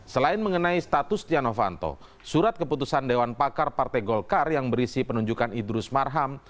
selain mengenai status setia novanto surat keputusan dewan pakar partai golkar yang berisi penunjukan idrus marham